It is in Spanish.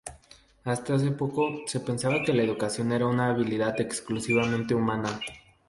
Hasta hace poco, se pensaba que la educación era una habilidad exclusivamente humana.